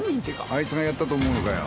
あいつがやったと思うのかよ？